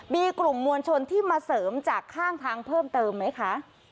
มีกลุ่มมวลชนที่มาเสริมจากข้างทางเพิ่มเติมไหมคะ